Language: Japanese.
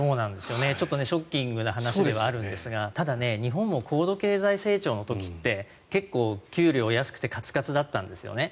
ちょっとショッキングな話ではあるんですがただ、日本も高度経済成長の時って結構、給料安くてかつかつだったんですよね。